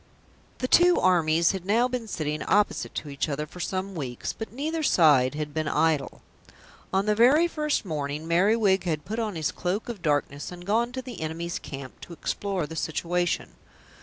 The two armies had now been sitting opposite to each other for some weeks, but neither side had been idle. On the very first morning Merriwig had put on his Cloak of Darkness and gone to the enemy's camp to explore the situation.